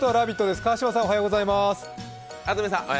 です川島さんおはようございます。